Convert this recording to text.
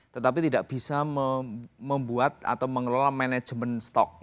tetapi tidak bisa membuat atau mengelola manajemen stok